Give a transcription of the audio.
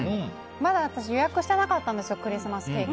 まだ私、予約してなかったんですクリスマスケーキ。